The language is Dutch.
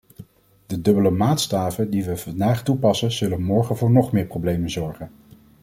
De dubbele maatstaven die we vandaag toepassen zullen morgen voor nog meer problemen zorgen.